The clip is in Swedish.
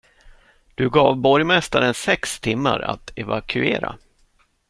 Du gav borgmästaren sex timmar att evakuera.